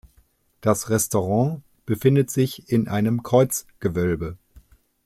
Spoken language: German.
Das Restaurant befindet sich in einem Kreuzgewölbe.